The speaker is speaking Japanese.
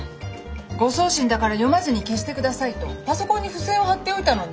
「誤送信だから読まずに消して下さい」とパソコンに付箋を貼っておいたのに。